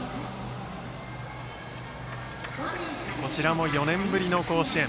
こちらも４年ぶりの甲子園。